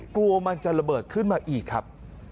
กลัวมันจะระเบิดขึ้นมาอีกครับ